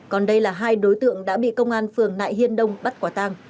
còn đây là hai đối tượng đã bị công an phường nại hiên đông bắt quả tang